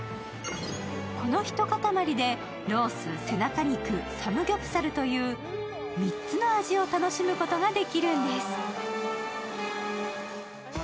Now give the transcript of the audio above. このひと塊でロース、背中肉、サムギョプサルという３つの味を楽しむことができるんです。